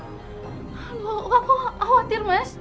aduh aku khawatir mas